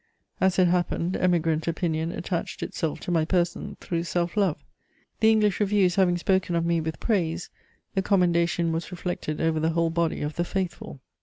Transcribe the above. As it happened, Emigrant opinion attached itself to my person through self love: the English reviews having spoken of me with praise, the commendation was reflected over the whole body of the "faithful."